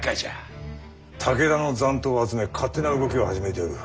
武田の残党を集め勝手な動きを始めておる。